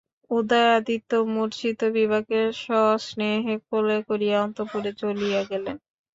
উদয়াদিত্য মূর্ছিত বিভাকে সস্নেহে কোলে করিয়া অন্তঃপুরে চলিয়া গেলেন।